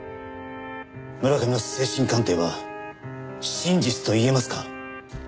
村上の精神鑑定は真実と言えますか？